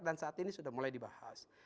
dan saat ini sudah mulai dibahas